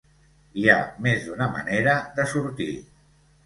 Hi ha més d'una manera de sortir